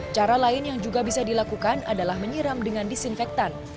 cara lain yang juga bisa dilakukan adalah menyiram dengan disinfektan